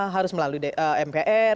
harus melalui mpr